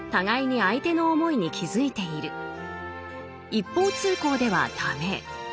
一方通行では駄目。